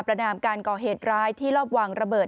นามการก่อเหตุร้ายที่รอบวางระเบิด